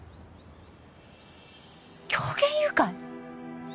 狂言誘拐？